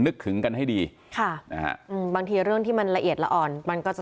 นึกถึงกันให้ดีค่ะนะฮะอืมบางทีเรื่องที่มันละเอียดละอ่อนมันก็จะ